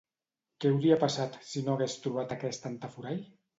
Què hauria passat si no hagués trobat aquest entaforall?